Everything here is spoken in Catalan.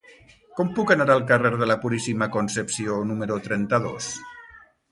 Com puc anar al carrer de la Puríssima Concepció número trenta-dos?